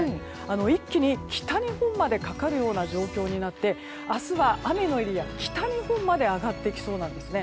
一気に北日本までかかるような状況になって明日は雨のエリアが北日本まで上がってきそうなんですね。